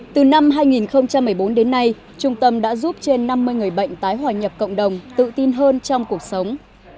từ năm hai nghìn một mươi bốn đến nay trung tâm đã giúp trên năm mươi người bệnh tái hòa nhập cộng đồng tự tin hơn trong cuộc sống